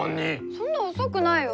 そんな遅くないよ。